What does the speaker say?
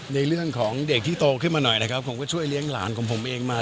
ในเรื่องของเด็กที่โตขึ้นมาหน่อยนะครับผมก็ช่วยเลี้ยงหลานของผมเองมา